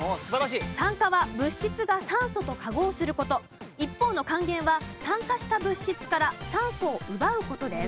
酸化は物質が酸素と化合する事一方の還元は酸化した物質から酸素を奪う事です。